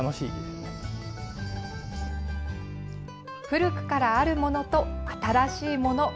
古くからあるものと新しいもの。